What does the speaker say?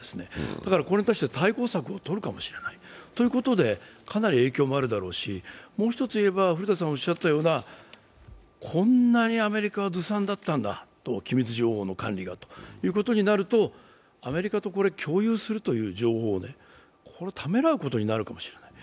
だからこれに関しては対抗策を取るかもしれないということで、かなり影響もあるだろうしもう一ついえば、こんなにアメリカはずさんだったんだと、機密情報の管理がということになるとアメリカと情報を共有するというのをためらうことになるかもしれない。